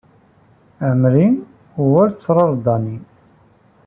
Ɛemṛi wal ttṛaṛ dani.